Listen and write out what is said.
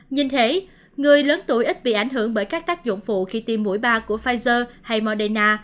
nhìn thấy người lớn tuổi ít bị ảnh hưởng bởi các tác dụng phụ khi tiêm mũi ba của pfizer hay moderna